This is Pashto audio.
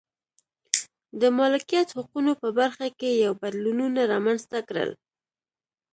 د مالکیت حقونو په برخه کې یې بدلونونه رامنځته کړل.